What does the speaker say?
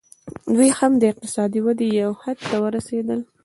دوی هم د اقتصادي ودې یو حد ته ورسېدل